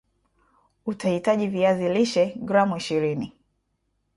utahitaji viazi lishe gram ishirini